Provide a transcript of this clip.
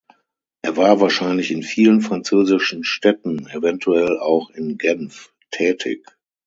Er war wahrscheinlich in vielen französischen Städten (eventuell auch in Genf) tätig.